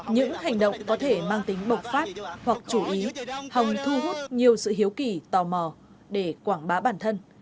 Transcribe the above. những hành động có thể mang tính bộc phát hoặc chú ý hòng thu hút nhiều sự hiếu kỳ tò mò để quảng bá bản thân